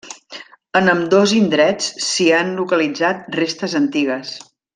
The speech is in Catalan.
En ambdós indrets s'hi han localitzat restes antigues.